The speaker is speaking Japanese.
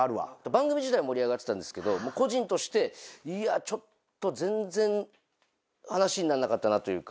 番組自体は盛り上がってたんですけど個人としていやちょっと全然話になんなかったなというか。